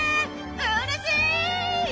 うれしい！